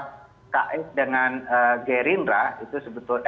pks dengan gerindra itu sebetulnya